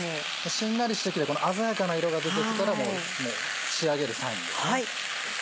しんなりしてきて鮮やかな色が出てきたら仕上げるサインですね。